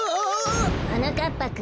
はなかっぱくん。